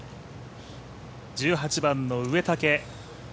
１８番の植竹。